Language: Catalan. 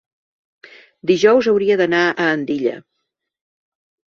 Dijous hauria d'anar a Andilla.